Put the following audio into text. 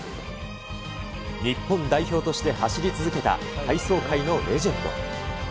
日本代表として走り続けた体操界のレジェンド。